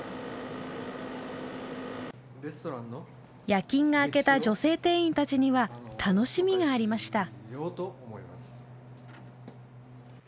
夜勤が明けた女性店員たちには楽しみがありました。